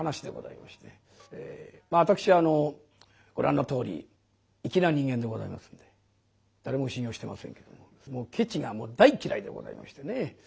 私ご覧のとおり粋な人間でございますんで誰も信用してませんけどもケチがもう大っ嫌いでございましてね。